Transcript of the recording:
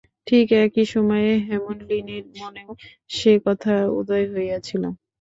ঠিক একই সময়ে হেমনলিনীর মনেও সে কথা উদয় হইয়াছিল।